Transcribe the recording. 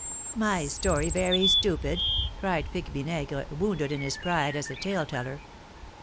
"My story very stupid?" cried Pique Vinaigre, wounded in his pride as a tale teller.